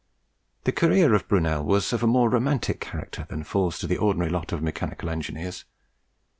The career of Brunel was of a more romantic character than falls to the ordinary lot of mechanical engineers.